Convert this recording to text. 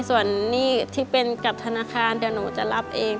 ส่วนหนี้ที่เป็นกับธนาคารเดี๋ยวหนูจะรับเอง